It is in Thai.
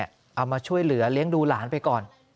เอามาช่วยเหลือเลี้ยงดูหลานไปก่อน